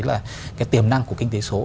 là cái tiềm năng của kinh tế số